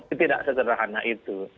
itu tidak sesederhana itu